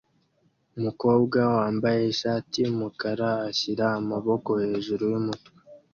Umukobwa wambaye ishati yumukara ashyira amaboko hejuru yumutwe